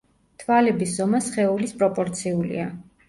თვალების ზომა სხეულის პროპორციულია.